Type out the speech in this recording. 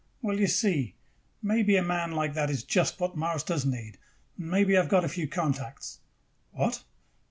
"Well, you see, maybe a man like that is just what Mars does need. And maybe I have got a few contacts." "What?"